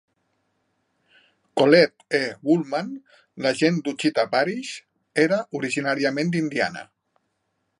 Collett E. Woolman, l"agent d"Ouachita Parish, era originàriament d"Indiana.